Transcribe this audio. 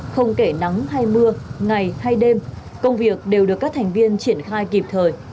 không kể nắng hay mưa ngày hay đêm công việc đều được các thành viên triển khai kịp thời